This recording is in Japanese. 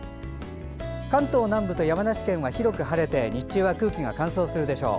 関東南部と山梨県は広く晴れて日中は空気が乾燥するでしょう。